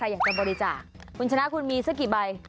อยากจะบริจาคคุณชนะคุณมีสักกี่ใบ